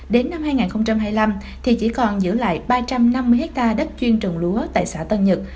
đến năm hai nghìn hai mươi năm thì chỉ còn giữ lại ba trăm năm mươi hectare đất chuyên trồng lúa tại xã tân nhật